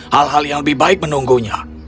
hal hal yang lebih baik menunggunya